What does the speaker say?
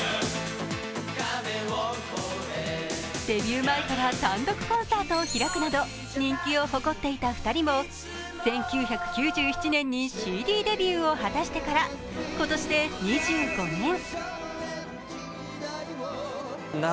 デビュー前から単独コンサートを開くなど人気を誇っていた２人も１９９７年にＣＤデビューを果たしてから、今年で２５年。